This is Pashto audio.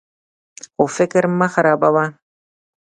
خو فکر مه خرابوه.